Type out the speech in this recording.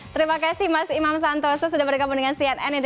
terima kasih mas imam santoso sudah bergabung dengan cnn indonesia